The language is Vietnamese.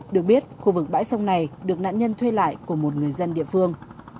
được biết khu vực bãi sông này được nạn nhân thuê lại của một người dân địa phương